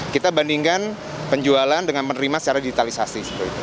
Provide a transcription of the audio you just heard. kita bandingkan penjualan dengan menerima secara digitalisasi